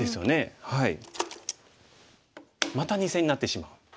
また２線になってしまう。